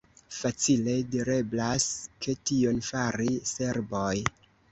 Facile direblas, ke tion faris serboj.